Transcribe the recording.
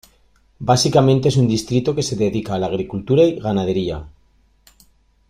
Básicamente es un distrito que se dedica a la agricultura y ganadería.